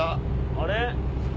あれ？